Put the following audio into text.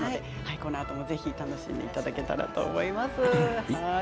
このあともぜひ楽しんでいただけたらと思います。